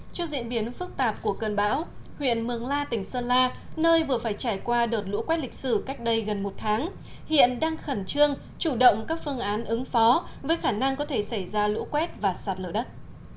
trước diễn biến phức tạp của cơn bão huyện mường la tỉnh sơn la nơi vừa phải trải qua đợt lũ quét lịch sử cách đây gần một tháng hiện đang khẩn trương chủ động các phương án ứng phó với khả năng có thể xảy ra lũ quét và sạt lở đất